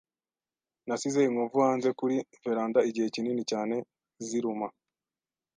Nasize inkovu hanze kuri veranda igihe kinini cyane ziruma.